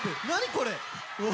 これ。